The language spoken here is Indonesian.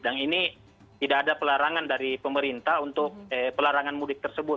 dan ini tidak ada pelarangan dari pemerintah untuk pelarangan mudik tersebut